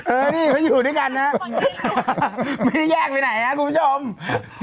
เออเออนี่เขาอยู่ด้วยกันนะไม่ได้แยกไปไหนน่ะคุณผู้ชมโอเค